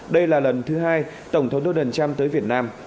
đây là lần thứ hai tổng thống donald trump tới việt nam